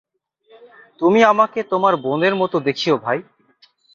তুমি আমাকে তোমার বোনের মতো দেখিয়ো ভাই।